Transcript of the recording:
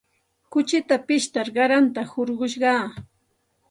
Chikuta pishtar qaranta hurqushqaa.